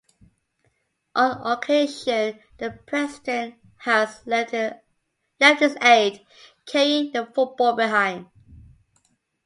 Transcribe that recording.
On occasion, the president has left his aide carrying the football behind.